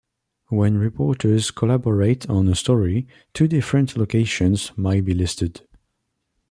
When reporters collaborate on a story, two different locations might be listed.